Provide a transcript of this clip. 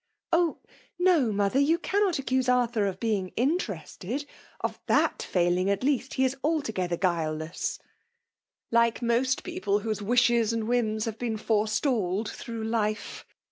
" Oh I no, mother, you cannot accuse At tfanr of being mtere^ed /— of Aat Ming, at least, he is sltogeiher guiltless." like most people whose wishes and whimi have been forestalled through life.